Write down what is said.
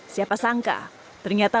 siapa sangka ternyata